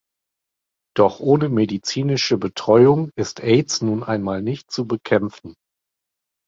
Doch ohne medizinische Betreuung ist Aids nun einmal nicht zu bekämpfen.